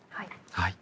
はい。